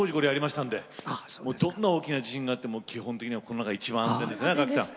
どんな大きな地震があっても基本的にはこの中一番安全ですね赤木さん。